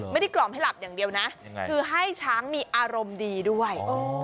กล่อมให้หลับอย่างเดียวนะคือให้ช้างมีอารมณ์ดีด้วย